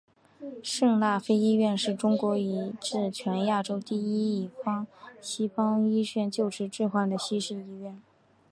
圣辣非医院是中国以至全亚洲第一间以西方医学救治病患的西式医院。